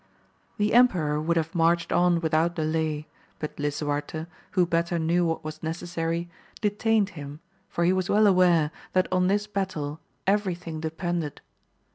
The emperor would have marched on without delay, but Lisuarte, who better knew what was necessary, detained him, for he was well aware, that on this battle every thing depended.